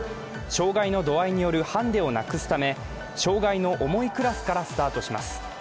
障害の度合いによるハンデをなくすため障害の重いクラスからスタートします。